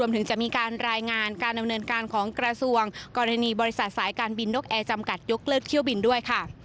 สายสายการบินดกแอร์จำกัดยกเลิศเคี่ยวบินด้วยค่ะ